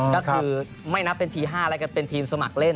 ก็คือไม่นับเป็นที๕แล้วก็เป็นทีมสมัครเล่น